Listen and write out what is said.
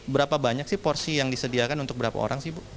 berapa banyak sih porsi yang disediakan untuk berapa orang sih bu